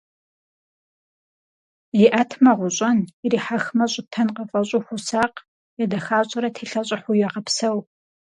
ИӀэтмэ, гъущӀэн, ирихьэхмэ, щӀытэн къыфэщӀу, хуосакъ, едэхащӀэрэ телъэщӀыхьу егъэпсэу.